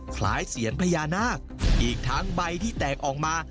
เสียญพญานาคอีกทั้งใบที่แตกออกมา